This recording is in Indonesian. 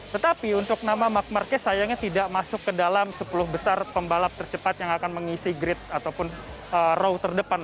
tetapi untuk nama mark marquez sayangnya tidak masuk ke dalam sepuluh besar pembalap tercepat yang akan mengisi grid ataupun row terdepan